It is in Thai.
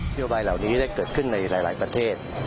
โยบายเหล่านี้ได้เกิดขึ้นในหลายประเทศ